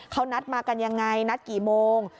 เขานัดมากันยังไงนัดกี่โมง